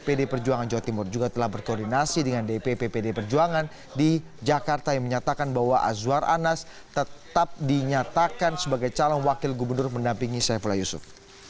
pd perjuangan jawa timur juga telah berkoordinasi dengan dpp pd perjuangan di jakarta yang menyatakan bahwa azwar anas tetap dinyatakan sebagai calon wakil gubernur mendampingi saifullah yusuf